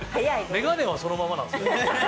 眼鏡はそのままなんすね。